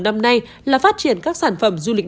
năm nay là phát triển các sản phẩm du lịch